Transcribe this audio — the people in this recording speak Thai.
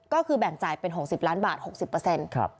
ก็คือแบ่งจ่ายเป็น๖๐ล้านบาท๖๐เปอร์เซ็นต์